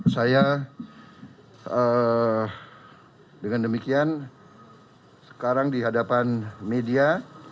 saya dengan demikian sekarang di hadapan media